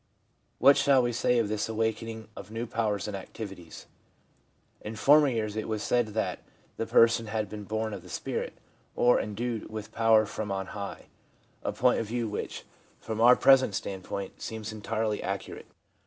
What shall we say of this awakening of new powers and activities? In former years it was said that the person had been ' born of the Spirit/ or ' endued with power from on high/ a point of view which, from our present standpoint, seems entirely accurate.